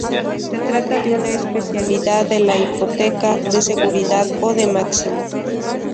Se trata de una especialidad de la hipoteca de seguridad o de máximo.